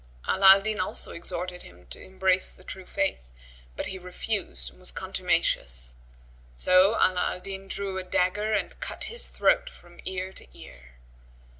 Ala al Din also exhorted him to embrace the True Faith; but he refused and was contumacious; so Ala al Din drew a dagger and cut his throat from ear to ear.